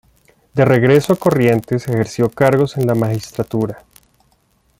De regreso a Corrientes ejerció cargos en la magistratura.